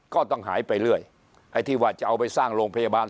ก็ต้องหายไปเรื่อยไอ้ที่ว่าจะเอาไปสร้างโรงพยาบาล